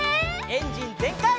エンジンぜんかい！